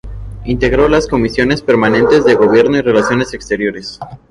Integró las comisiones permanentes de Gobierno y Relaciones Exteriores.